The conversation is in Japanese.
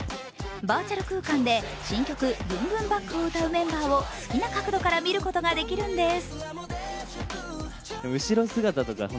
バーチャル空間で新曲「ＢｏｏｍＢｏｏｍＢａｃｋ」を歌うメンバーを好きな角度から見ることができるんです。